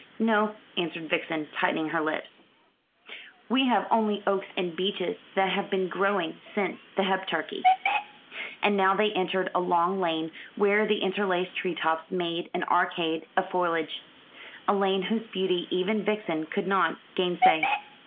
"No," answered Vixen, tightening her lips; "we have only oaks and beeches that have been growing since the Heptarchy." And now they entered a long lane, where the interlaced tree tops made an arcade of foliage a lane whose beauty even Vixen could not gainsay.